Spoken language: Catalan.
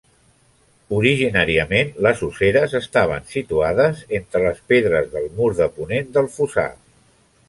Originàriament les osseres estaven situades entre les pedres del mur de ponent del fossar.